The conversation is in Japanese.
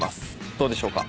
どうでしょうか？